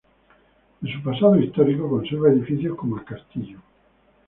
De su pasado histórico conserva edificios como el castillo.